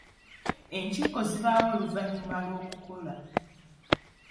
Enkiiko zibaawo oluvannyuma lw'okukola.